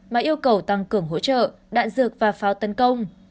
mà yêu cầu tăng cường hỗ trợ đạn dược và pháo tấn công